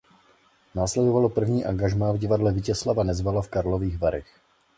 Následovalo první angažmá v Divadle Vítězslava Nezvala v Karlových Varech.